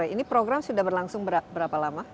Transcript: ini program sudah berlangsung berapa lama